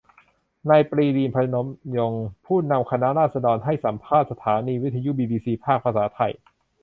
นายปรีดี พนมยงค์ ผู้นำคณะราษฎรให้สัมภาษณ์สถานีวิทยุบีบีซี ภาคภาษาไทย